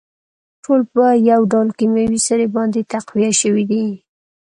ټول په يوه ډول کيمياوي سرې باندې تقويه شوي دي.